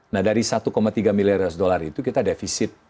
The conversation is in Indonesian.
nah dari satu tiga miliar usd itu kita defisit